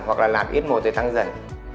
hoặc là lạt ít một để tăng dần